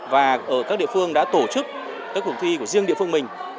và ở các địa phương đã tổ chức các cuộc thi của riêng địa phương mình